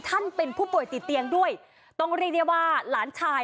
ท่านเป็นผู้ป่วยติดเตียงด้วยต้องเรียกได้ว่าหลานชาย